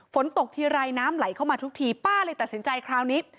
ฝนตกทีไรน้ำไหลเข้ามาทุกทีป้าเลยตัดสินใจคราวนี้